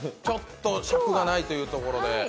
ちょっと尺がないというところで。